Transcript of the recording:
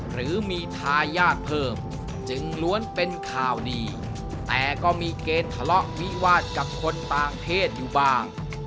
หรือมีทายาทเพิ่มจึงล้วนเป็นข่าวดีแต่ก็มีเกณฑ์ทะเลาะวิวาสกับคนต่างเพศอยู่บ้าง